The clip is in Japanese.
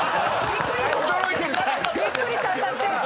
びっくりした当たって！